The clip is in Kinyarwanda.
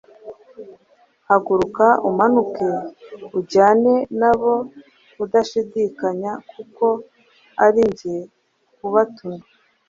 Haguruka umanuke ujyane nabo udashidikanya, kuko ari jye ubatumye.